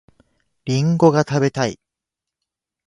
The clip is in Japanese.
りんごが食べたい